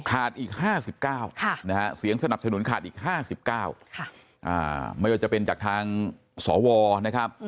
อีก๕๙นะฮะเสียงสนับสนุนขาดอีก๕๙ไม่ว่าจะเป็นจากทางสวนะครับ